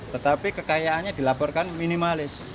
tetapi kekayaannya dilaporkan minimalis